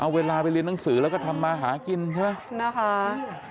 เอาเวลาไปเรียนหนังสือแล้วก็ทำมาหากินใช่ไหมนะคะ